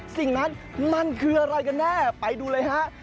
สิ่งนั้นมันคืออะไรกันแน่ไปดูเลยฮะ